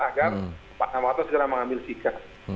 agar pak novanto segera mengambil sikap